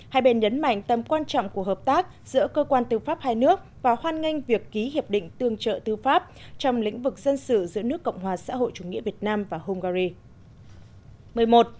hai bên nhấn mạnh tầm quan trọng của hợp tác giữa cơ quan tư pháp hai nước và hoan nghênh việc ký hiệp định tương trợ tư pháp trong lĩnh vực dân sự giữa nước cộng hòa xã hội chủ nghĩa việt nam và hungary